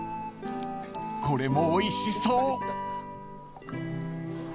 ［これもおいしそう］